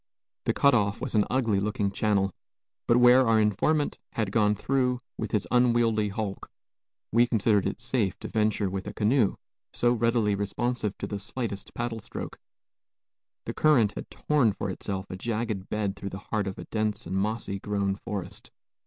The cut off was an ugly looking channel; but where our informant had gone through, with his unwieldy hulk, we considered it safe to venture with a canoe, so readily responsive to the slightest paddle stroke. The current had torn for itself a jagged bed through the heart of a dense and moss grown forest.